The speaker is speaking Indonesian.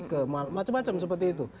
ke macam macam seperti itu